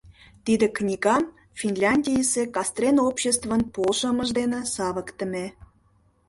Тиде книгам Финляндийысе Кастрен обществын полшымыж дене савыктыме.